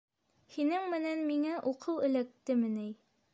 Һинең менән миңә уҡыу эләктеме ни?